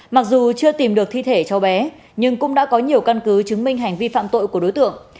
mặc dù chưa tìm được thi thể cháu bé nhưng cũng đã có nhiều căn cứ chứng minh hành vi phạm tội của đối tượng